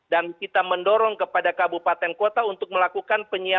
dan kita mendorong kepada kabupaten kota untuk melakukan penyiapan